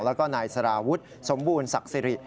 แล้วก็นายสารวุฒิสมบูรณศักดิ์สิริ